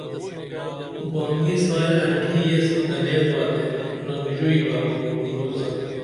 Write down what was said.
بانگی ساں آنٹھی یس گنین با تے مرنگ ژوئی بہ بُم کُنڈوسہ